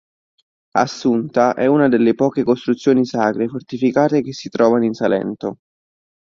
Assunta è una delle poche costruzioni sacre fortificate che si trovano in Salento.